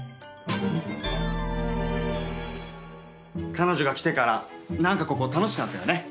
彼女が来てから何かここ楽しくなったよね。